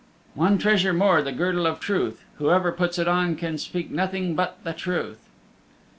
"One treasure more the Girdle of Truth. Whoever puts it on can speak nothing but the truth."